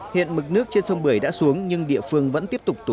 hiện mực nước trên sông bưởi đã xuống nhưng địa phương vẫn tiếp tục đưa lũ ra